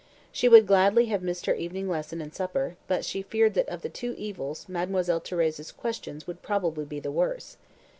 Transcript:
She would gladly have missed her evening lesson and supper, but she feared that of the two evils Mademoiselle Thérèse's questions would probably be the worse.